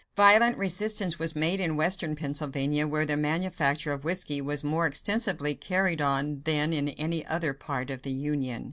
Violent resistance was made in western Pennsylvania, where the manufacture of whiskey was more extensively carried on than in any other part of the Union.